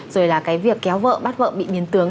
rồi là cái việc kéo vợ bắt vợ bị biến tướng